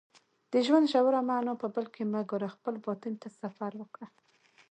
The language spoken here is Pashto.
د ژوند ژوره معنا په بل کې مه ګوره خپل باطن ته سفر وکړه